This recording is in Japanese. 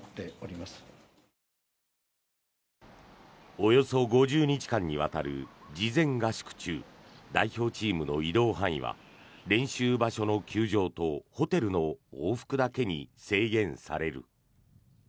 およそ５０日間にわたる事前合宿中代表チームの移動範囲は練習場所の球場とホテルの往復だけに制限される。